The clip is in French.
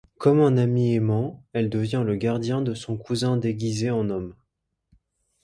Comme un ami aimant, elle devient le gardien de son cousin déguisée en homme.